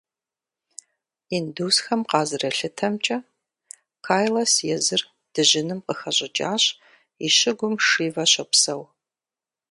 Индусхэм къызэралъытэмкӀэ, Кайлас езыр дыжьыным къыхэщӀыкӀащ, и щыгум Шивэ щопсэу.